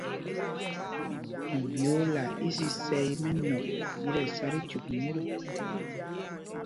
Iɓyoola isisɛɛ í mɛ́nɔ̂k ɗí tí ɛsá tí cyûk mot ê.